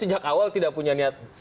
sejak awal tidak punya niat